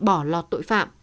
bỏ lọt tội phạm